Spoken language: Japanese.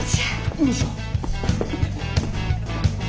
よいしょ。